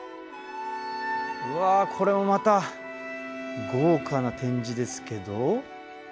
うわこれもまた豪華な展示ですけど。